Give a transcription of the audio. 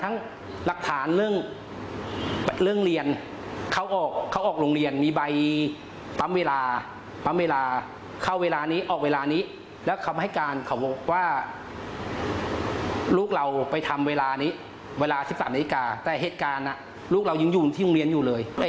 ทั้งหลักฐานเรื่องเรียนเขาออกเขาออกโรงเรียนมีใบปั๊มเวลาปั๊มเวลาเข้าเวลานี้ออกเวลานี้แล้วคำให้การเขาบอกว่าลูกเราไปทำเวลานี้เวลา๑๓นาฬิกาแต่เหตุการณ์ลูกเรายังอยู่ที่โรงเรียนอยู่เลย